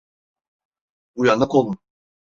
Uyanık olun.